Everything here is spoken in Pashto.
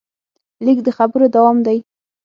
لیک د خبرو دوام دی.